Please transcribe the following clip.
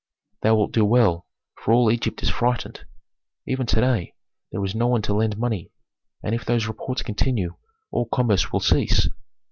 "Thou wilt do well, for all Egypt is frightened. Even to day there is no one to lend money, and if those reports continue all commerce will cease.